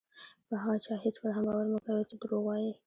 په هغه چا هېڅکله هم باور مه کوئ چې دروغ وایي.